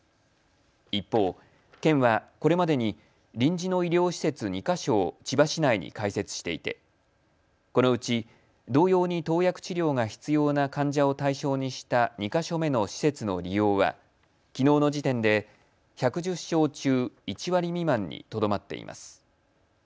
一方、県はこれまでに臨時の医療施設２か所を千葉市内に開設していてこのうち同様に投薬治療が必要な患者を対象にした２か所目の施設の利用はきのうの時点で１１０床中、１割未満にとどまっています。